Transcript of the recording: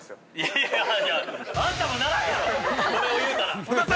◆いやいや、あんたもならんやろ、それをいうたら！